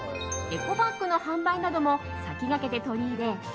エコバッグの販売なども先駆けて取り入れ